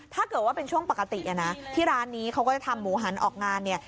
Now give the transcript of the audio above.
ถ้าเกิดว่าเป็นช่วงปกตินะที่ร้านนี้เขาก็จะทำหมูหันออกงานเนี่ย